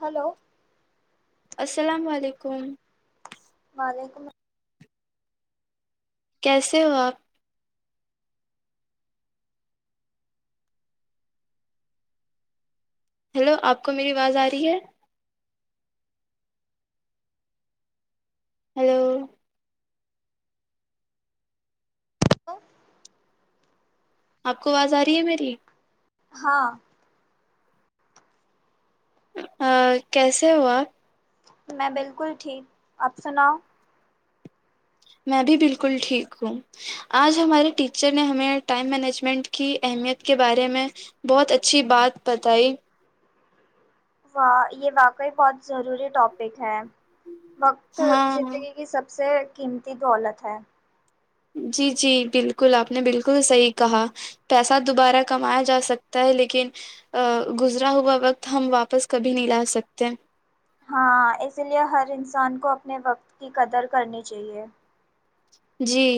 hello السلام علیکم وعلیکم کیسے ہو آپ ہیلو آپ کو میری آواز آ رہی ہے ہیلو السلام آپ کو آواز آ رہی ہے میری ہاں ہاں کیسے ہو اپ میں بالکل ٹھیک آپ سناؤ میں بھی بالکل ٹھیک ہوں آج ہمارے ٹیچر نے ہمیں ٹائم مینجمنٹ کی اہمیت کے بارے میں بہت اچھی بات بتائی واہ یہ واقعی بہت ضروری ٹاپک ہے وقت تو ہاں زندگی کی سب سے قیمتی دولت ہے جی جی بالکل آپ نے بالکل صحیح کہا پیسہ دوبارہ کمایا جا سکتا ہے لیکن گزرا ہوا وقت ہم واپس کبھی نہیں لا سکتے ہاں اسی لیے ہر انسان کو اپنے وقت کی قدر کرنی چاہیے جی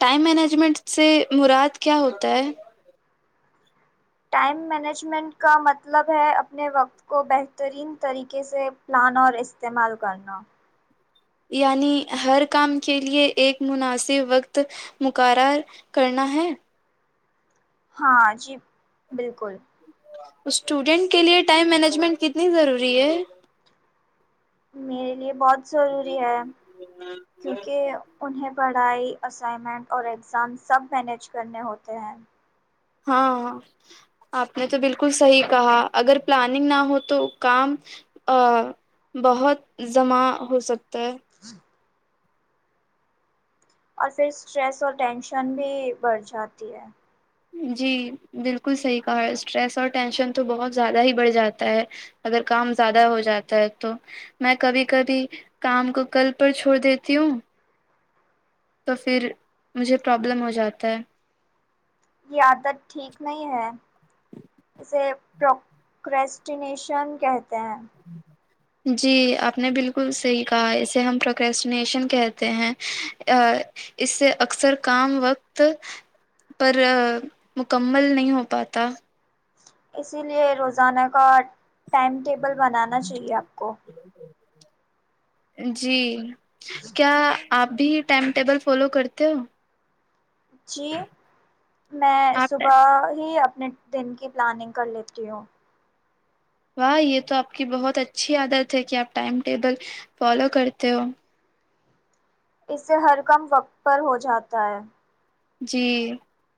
ٹائم مینجمنٹ سے مراد کیا ہوتا ہے ٹائم مینجمنٹ کا مطلب ہے اپنے وقت کو بہترین طریقے سے اپنانا اور استعمال کرنا یعنی ہر کام کے لیے ایک مناسب وقت مقرر کرنا ہے ہاں جی بالکل اسٹوڈینٹ کے لیے ٹائم مینجمنٹ کتنی ضروری ہے میرے لیے بہت ضروری ہے کیونکہ انہیں پڑھائی اسائنمنٹ اور ایگزام سب مینیج کرنے ہوتے ہیں ہاں ہاں آپ نے تو بالکل صحیح کہا اگر پلاننگ نہ ہو تو کام آہ بہت زمع ہو سکتا ہے اور پھر اسٹریس اور ٹینشن بھی بڑھ جاتی ہے جی بالکل صحیح کہا ہے اسٹریس اور ٹینشن تو بہت زیادہ ہی بڑھ جاتا ہے اگر کام زیادہ ہو جاتا ہے تو میں کبھی کبھی کام کو کل پر چھوڑ دیتی ہوں تو پھر مجھے پرابلم ہو جاتا ہے یہ عادت ٹھیک نہیں ہے اسے پروکسٹینیشن کہتے ہیں جی آپ نے بالکل صحیح کہا ہے اسے ہم پروکسٹینیشن کہتے ہیں اس سے اکثر کام وقت پر مکمل نہیں ہو پاتا اسی لیے روزانہ کا ٹائم ٹیبل بنانا چاہیے آپ کو جی کیا آپ بھی یہ ٹائم ٹیبل فالو کرتے ہو جی میں آپ صبح ہی اپنے دن کی پلاننگ کر لیتی ہوں واہ یہ تو آپ کی بہت اچھی عادت ہے کہ آپ ٹائم ٹیبل فالو کرتے ہو اس سے ہر کم وقت پر ہو جاتا ہے جی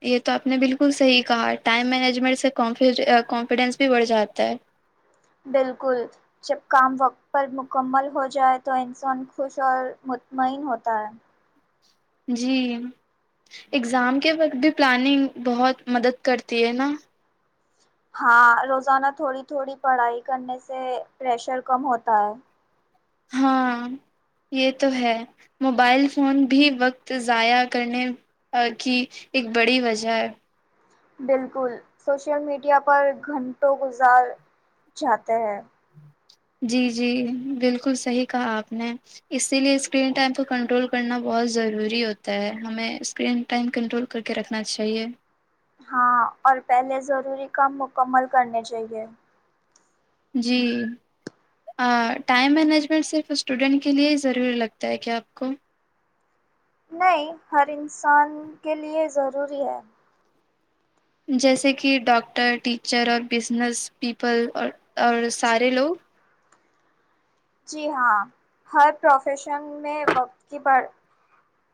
یہ تو آپ نے بالکل صحیح کہا ٹائم مینجمنٹ سے کانفیجو کانفیڈینس بھی بڑھ جاتا ہے بالکل جب کام وقت پر مکمل ہو جائے تو انسان خوش اور مطمئن ہوتا ہے جی اگزام کے وقت بھی پلاننگ بہت مدد کرتی ہے نا ہاں روزانہ تھوڑی تھوڑی پڑھائی کرنے سے پریشر کم ہوتا ہے ہاں یہ تو ہے موبائل فون بھی وقت ضائع کرنے آ کی ایک بڑی وجہ ہے بالکل سوشل میڈیا پر گھنٹوں گزار جاتے ہیں جی جی بالکل صحیح کہا آپ نے اسی لیے اسکرین ٹائم کو کنٹرول کرنا بہت ضروری ہوتا ہے ہمیں اسکرین ٹائم کنٹرول کر کے رکھنا چاہیے ہاں اور پہلے ضروری کام مکمل کرنے چاہیے جی آ ٹائم مینجمنٹ صرف اسٹوڈنٹ کے لیے ہی ضروری لگتا ہے کیا آپ کو نہیں ہر انسان کے لیے ضروری ہے جیسے کہ ڈاکٹر ٹیچر اور بزنس پیپل اور اور سارے لوگ جی ہاں ہر پروفیشن میں وقت کی بڑھ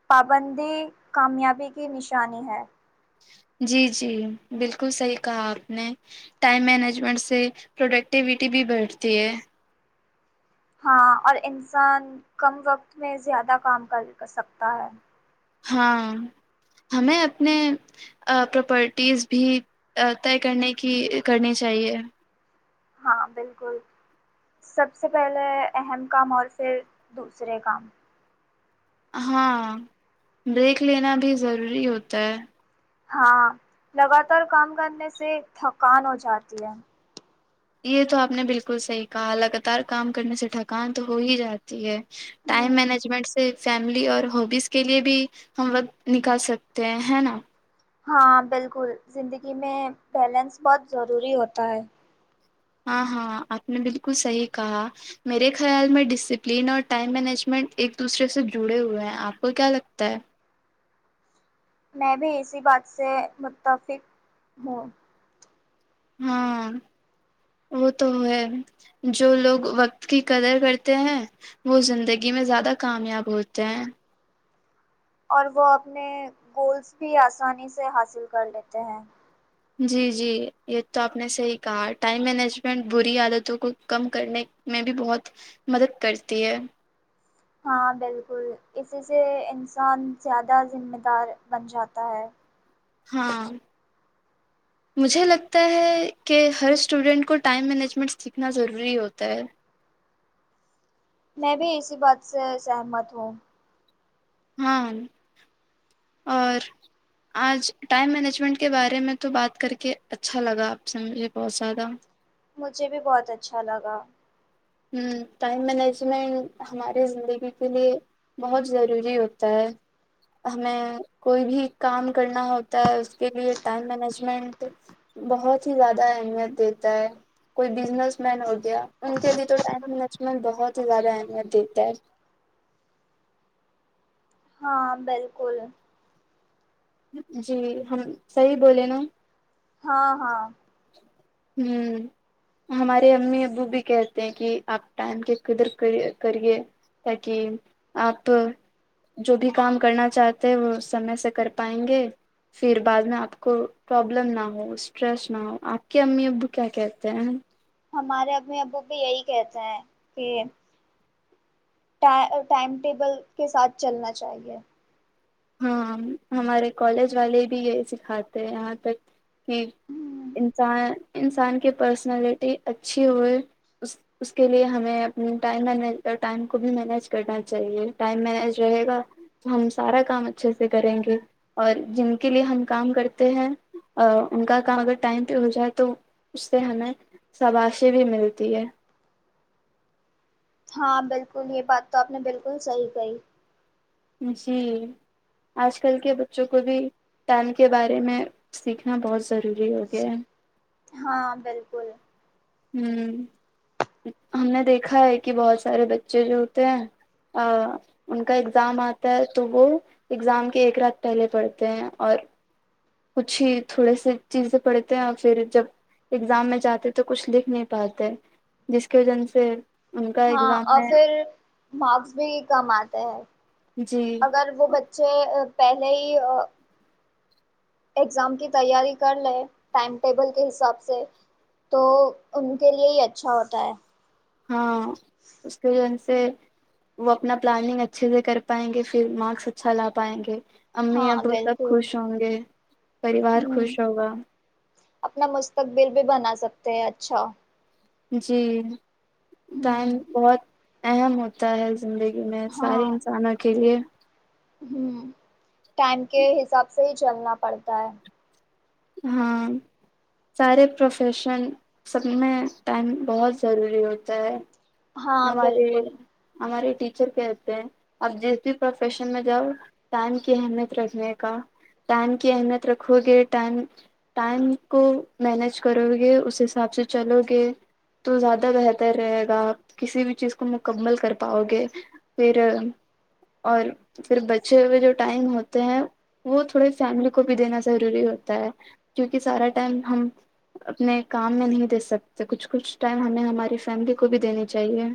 پابندی کامیابی کی نشانی ہے جی جی بالکل صحیح کہا آپ نے ٹائم مینجمنٹ سے پروڈکٹیوٹی بھی بڑھتی ہے ہاں اور انسان کم وقت میں زیادہ کام کر سکتا ہے ہاں ہمیں اپنے آ پراپرٹیز بھی آ طے کرنے کی کرنی چاہیے ہاں بالکل سب سے پہلے اہم کام اور پھر دوسرے کام ہاں بریک لینا بھی ضروری ہوتا ہے ہاں لگاتار کام کرنے سے تھکان ہو جاتی ہے یہ تو آپ نے بالکل صحیح کہا لگاتار کام کرنے سے تھکان تو ہو ہی جاتی ہے ٹائم ہ مینجمنٹ سے فیملی اور ہوبیز کے لیے بھی ہم وقت نکال سکتے ہیں ہے نا ہاں بالکل زندگی میں بیلنس بہت ضروری ہوتا ہے ہاں ہاں آپ نے بالکل صحیح کہا میرے خیال میں ڈسپلین اور ٹائم مینجمنٹ ایک دوسرے سے جڑے ہوئے ہیں آپ کو کیا لگتا ہے میں بھی اسی بات سے متفق ہوں ہاں وہ تو ہے جو لوگ وقت کی قدر کرتے ہیں وہ زندگی میں زیادہ کامیاب ہوتے ہیں اور وہ اپنے گولس بھی آسانی سے حاصل کر لیتے ہیں جی جی یہ تو آپ نے صحیح کہا ٹائم مینجمنٹ بری عادتوں کو کم کرنے میں بھی بہت مدد کرتی ہے ہاں بالکل اسی سے انسان زیادہ ذمہ دار بن جاتا ہے ہاں مجھے لگتا ہے کہ ہر اسٹوڈینٹ کو ٹائم مینجمنٹ سیکھنا ضروری ہوتا ہے میں بھی اسی بات سے سہمت ہوں ہاں اور آج ٹائم مینجمنٹ کے بارے میں تو بات کر کے اچھا لگا آپ سے مجھے بہت زیادہ مجھے بھی بہت اچھا لگا ہوں ٹائم مینجمنٹ ہمارے زندگی کے لیے بہت ضروری ہوتا ہے ہمیں کوئی بھی کام کرنا ہوتا ہے اس کے لیے ٹائم مینجمنٹ بہت ہی زیادہ اہمیت دیتا ہے کوئی بزنس مین ہو گیا ان کے لیے تو ٹائم لچمن بہت ہی زیادہ اہمیت دیتا ہے ہاں بالکل جی ہم صحیح بولے نا ہاں ہاں ہوں ہمارے امی ابو بھی کہتے ہیں کہ آپ ٹائم کی قدر کرئے کرئے تا کے اپ جو بھی کام کرنا چاہتے ہیں وہ سمے سے کر پائیں گے پھر بعد میں آپ کو پرابلم نہ ہو اسٹریس نہ ہو آپ کے امی ابو کیا کہتے ہیں ہمارے امی ابو بھی یہی کہتے ہیں کہ ٹا ٹائم ٹیبل کے ساتھ چلنا چاہیے ہاں ہمارے کالج والے بھی یہی سکھاتے ہیں یہاں تک کہ انسان انسان کی پرسنالٹی اچھی ہوئے اس اس کے لیے ہمیں اپنے ٹائم م ٹائم کو بھی مینیج کرنا چاہیے ٹائم مینج رہے گا ہم سارا کام اچھے سے کریں گے اور جن کے لیے ہم کام کرتے ہیں ا ان کا کام اگر ٹائم پہ ہو جائے تو اس سے ہمیں شباشی بھی ملتی ہے ہاں بالکل یہ بات تو آپ نے بالکل صحیح کہی جی آج کل کے بچوں کو بھی ٹائم کے بارے میں سیکھنا بہت ضروری ہو گیا ہے ہاں بالکل ہوں ہم نے دیکھا ہے کہ بہت سارے بچے جو ہوتے ہیں آ ان کا ایگزام آتا ہے تو وہ ایگزام کے ایک رات پہلے پڑھتے ہیں اور کچھ ہی تھوڑے س چیزیں پڑھتے ہیں اور پھر جب ایگزام میں جاتے تو کچھ لکھ نہیں پاتے جس کی وجن سے کا ہاں ایگزام اور میں پھر مارکس بھی کم آتے ہیں جی اگر وہ بچے پہلے ہی آ ایگزام کی تیاری کر لے ٹائم ٹیبل کے حساب سے تو ان کے لیے ہی اچھا ہوتا ہے ہاں اس کے وجہ سے وہ اپنا پلاننگ اچھے سے کر پائیں گے پھر مارکس اچھا لا پائیں گے امی ہاں ابو سب بالکل خوش ہوں گے پریوار ہوں خوش ہوگا اپنا مستقبل بھی بنا سکتے ہیں اچھا جی ٹائم ہوں بہت اہم ہو تا ہے زندگی میں سارے ہاں انسانوں کے لیے ہوں ٹائم کے حساب سے ہی چلنا پڑتا ہے ہاں سارے پروفیشن سب میں ٹائم بہت ضروری ہوتا ہے ہاں ہمارے بالکل ہمارے ٹیچر کہتے ہیں آپ جس بھی پروفیشن میں جاؤ ٹائم کی اہمیت رکھنے کا ٹائم کی اہمیت رکھو گے ٹائم ٹائم کو مینیج کرو گے اس حساب سے چلو گے تو زیادہ بہتر رہے گا کسی بھی چیز کو مکمل کر پاؤ گے پھر اور پھر بچے ہوئے جو ٹائم ہوتے ہیں وہ تھوڑے فیملی کو بھی دینا ضروری ہوتا ہے کیونکہ سارا ٹائم ہم اپنے کام میں نہیں دے سکتے کچھ کچھ ٹائم ہمیں ہماری فیملی کو بھی دینی چاہیے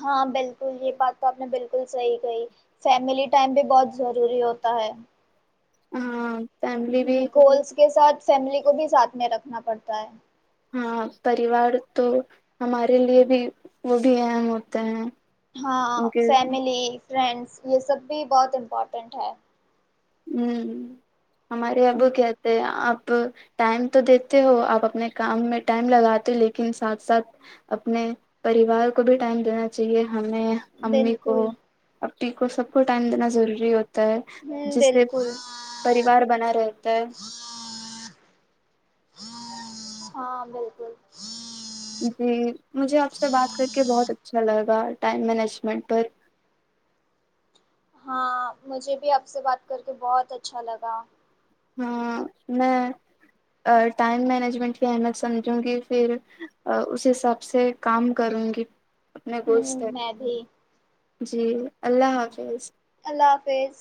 ہاں بالکل یہ بات تو آپ نے بالکل صحیح کہی فیملی ٹائم بھی بہت ضروری ہوتا ہے اں ہوں گولس کے ساتھ فیملی کو بھی ساتھ میں رکھنا پڑتا ہے ہاں پریوار تو ہمارے لیے بھی وہ بھی اہم ہوتے ہیں ہاں ان کے فیملی فرینڈس یہ سب بھی بہت امپورٹنٹ ہے ہوں ہمارے ابو کہتے آپ ٹائم تو دییتے ہو آپ اپنے کام میں ٹائم لگاتے ہو لیکن ساتھ ساتھ اپنے پریوار کو بھی ٹائم دینا چاہیے ہمیں امی کو بالکل اپٹی کو سب کو ٹائم دینا ضروری ہوتا ہے ہوں جس سے بالکل پریوار بنا رہتا ہے ہاں بالکل جی مجھے آپ سے بات کر کے بہت اچھا لگا ٹائم مینجمنٹ پر ہاں مجھے بھی آپ سے بات کر کے بہت اچھا لگا ہاں میں ٹائم مینجمنٹ کی اہمیت سمجھوں گی پھر اس حساب سے کام کروں گی اپنے گول ہوں سیٹ میں بھی کرونگی جی اللہ حافظ اللہ حافظ